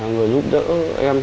người giúp đỡ em